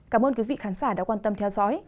cảm ơn quý vị khán giả đã quan tâm theo dõi